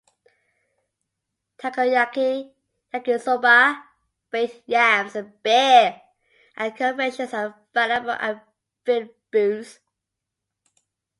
"Takoyaki," yakisoba," baked yams, beer, and confections are available at food booths.